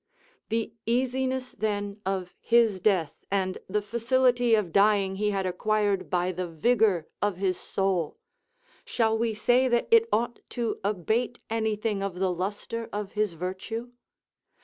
The easiness then of his death and the facility of dying he had acquired by the vigour of his soul; shall we say that it ought to abate anything of the lustre of his virtue?